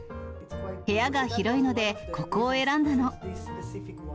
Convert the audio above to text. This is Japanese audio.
部屋が広いので、ここを選んだの。